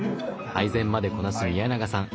配膳までこなす宮永さん。